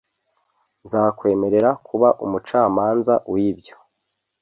nzakwemerera kuba umucamanza wibyo